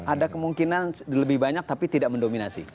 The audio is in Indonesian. ada kemungkinan lebih banyak tapi tidak mendominasi